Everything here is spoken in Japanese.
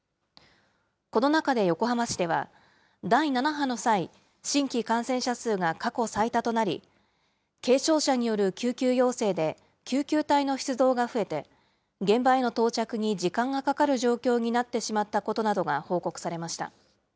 この中で横浜市では、第７波の際、新規感染者数が過去最多となり、軽症者による救急要請で救急隊の出動が増えて、現場への到着に時間がかかる状況になってしまったことなどが報告されました。